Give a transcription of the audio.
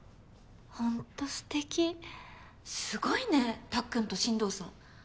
ほんとすてきすごいねたっくんと進藤さん。